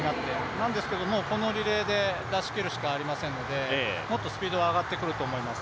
なんですけれども、このリレーで出しきるしかありませんのでもっとスピードは上がってくると思います。